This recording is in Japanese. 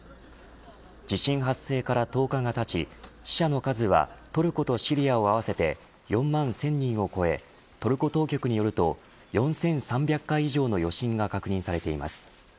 地震発生から１０日がたち死者の数はトルコとシリアを合わせて４万１０００人を超えトルコ当局によると４３００回以上の余震が確認されています。